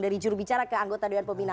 dari jurubicara ke anggota dewan pembina